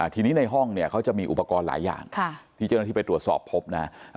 ทีนี้ในห้องเนี่ยเขาจะมีอุปกรณ์หลายอย่างที่เจ้าหน้าที่ไปตรวจสอบพบนะ